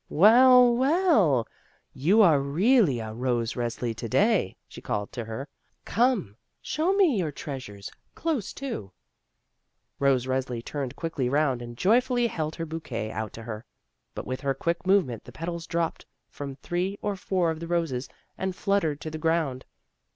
"WeU, well, you are really a Rose Resli to day," she called to her; "come, show me your treasures close to." Rose Resli turned quickly round, and jojrfully held her bouquet out to her. But with her quick movement the petals dropped from three or four of the roses and fluttered to the groimd.